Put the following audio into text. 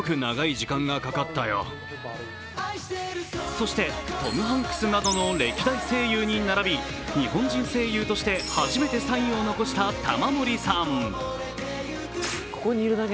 そしてトム・ハンクスなどの歴代声優に並び日本人声優として初めてサインを残した玉森さん。